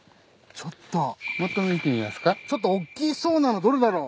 ちょっと大きそうなのどれだろう。